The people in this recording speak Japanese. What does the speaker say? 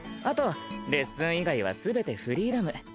あとレッスン以外はすべてフリーダム。